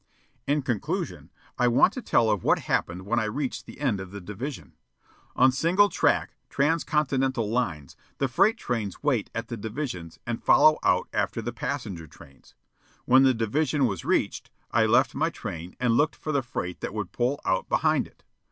In conclusion, I want to tell of what happened when I reached the end of the division. On single track, transcontinental lines, the freight trains wait at the divisions and follow out after the passenger trains. When the division was reached, I left my train, and looked for the freight that would pull out behind it.